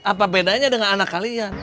apa bedanya dengan anak kalian